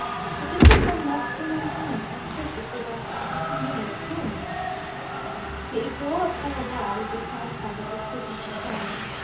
But discipline must be maintained, and this is the West African way of doing it. The Egbo of Calabar is a fine type of the secret society.